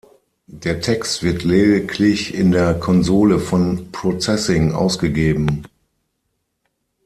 Der Text wird lediglich in der Konsole von Processing ausgegeben.